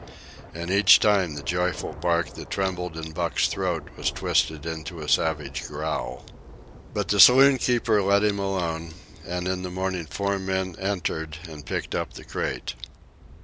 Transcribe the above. And each time the joyful bark that trembled in Buck's throat was twisted into a savage growl. But the saloon keeper let him alone, and in the morning four men entered and picked up the crate.